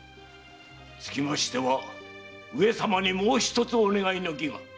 つきましては上様にもう一つお願いの儀が。